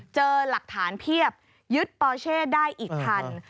เจอหลักฐานเพียบยึดปอเช่ได้อีกคัน